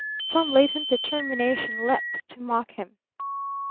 some latent determination leaped to mock him.